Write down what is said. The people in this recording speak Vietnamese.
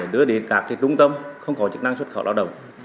đưa đến các trung tâm không có chức năng xuất khẩu lao động